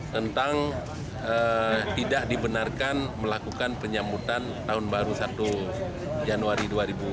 tentang tidak dibenarkan melakukan penyambutan tahun baru satu januari dua ribu dua puluh